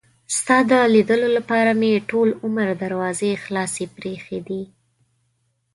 ستا د لیدلو لپاره مې ټول عمر دروازې خلاصې پرې ایښي دي.